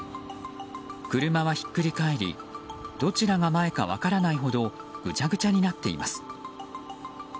車はひっくり返りどちらが前か分からないほどぐちゃぐちゃになっています。